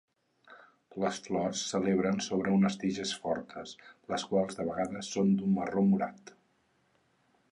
Les flors s'eleven sobre unes tiges fortes, les quals de vegades són d'un marró morat.